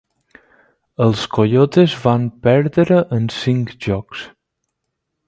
Els Coyotes van perdre en cinc jocs.